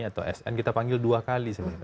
atau sn kita panggil dua kali sebenarnya